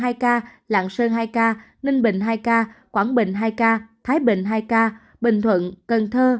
hai ca lạng sơn hai ca ninh bình hai ca quảng bình hai ca thái bình hai ca bình thuận cần thơ